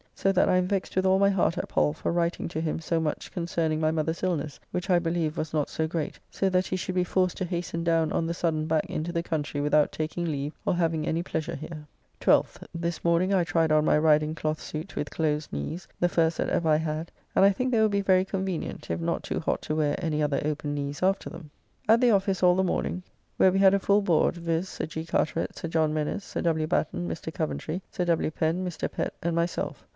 So that I am vexed with all my heart at Pall for writing to him so much concerning my mother's illness (which I believe was not so great), so that he should be forced to hasten down on the sudden back into the country without taking leave, or having any pleasure here. 12th. This morning I tried on my riding cloth suit with close knees, the first that ever I had; and I think they will be very convenient, if not too hot to wear any other open knees after them. At the office all the morning, where we had a full Board, viz., Sir G. Carteret, Sir John Mennes, Sir W. Batten, Mr. Coventry, Sir W. Pen, Mr. Pett, and myself.